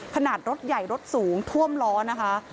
ขนาดรถใหญ่รถสูงท่วมล้อนะคะ